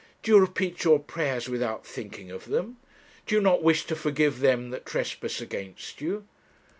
Do you repeat your prayers without thinking of them? Do you not wish to forgive them that trespass against you?'